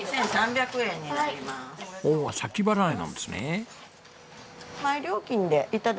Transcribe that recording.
おお先払いなんですね。